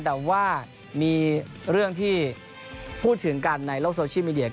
แต่ว่ามีเรื่องที่พูดถึงกันในโลกโซเชียลมีเดีย